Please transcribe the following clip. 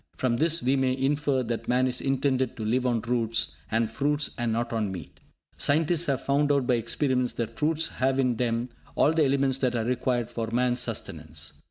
From this we may infer that man is intended to live on roots and fruits, and not on meat. Scientists have found out by experiments that fruits have in them all the elements that are required for man's sustenance.